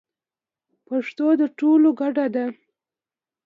پښتو د ټولو ګډه ده.